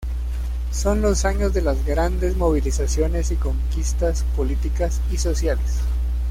Son los años de las grandes movilizaciones y conquistas políticas y sociales.